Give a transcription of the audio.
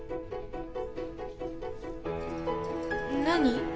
何？